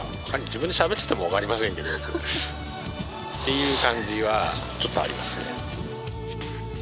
自分でしゃべってても分かりませんけどっていう感じはちょっとありますね